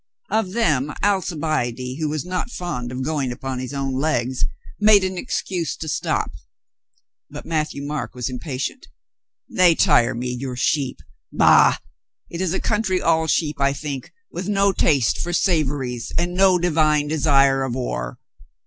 Of them Alcibiade, who was not fond of going upon his own legs, made an excuse to stop. But Matthieu Marc was impa tient. "They tire me, your sheep. Bah, it is a coun try all sheep, I think, with no taste for savories and no divine desire of war.